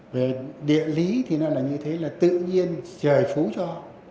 về địa lý thì nó là như thế là tự nhiên trời phú cho